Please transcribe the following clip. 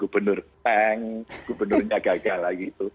gubernur peng gubernurnya gagal gitu